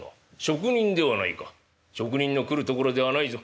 職人の来るところではないぞ。